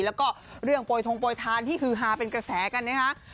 แล้วก็เรื่องโปรยทงโปรยทานที่ฮือฮาเป็นกระแสกันนะคะ